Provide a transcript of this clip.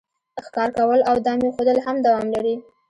ښکار کول او دام ایښودل هم دوام لري